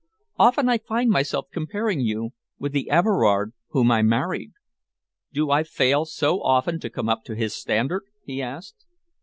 Often I find myself comparing you with the Everard whom I married." "Do I fail so often to come up to his standard?" he asked.